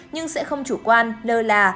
nhưng sẽ không chủ quan lờ là